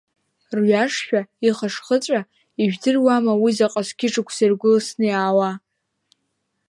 Рҩашшәа ихышхыҵәа, ижәдыруама уи заҟа зқьышықәса иргәылсны иаауа.